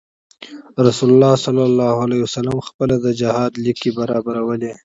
رسول الله صلی علیه وسلم خپله د جهاد ليکې برابرولې.